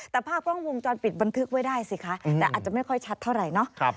แต่ภาพกล้องวงจรปิดบันทึกไว้ได้สิคะแต่อาจจะไม่ค่อยชัดเท่าไหร่เนาะ